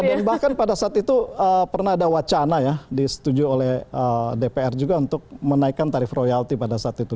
dan bahkan pada saat itu pernah ada wacana ya disetujui oleh dpr juga untuk menaikkan tarif royalti pada saat itu